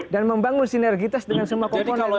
dan membangun sinergitas dengan semua komponen masyarakat